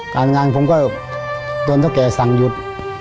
การงานผมก็โดนเท่าแก่สั่งหยุด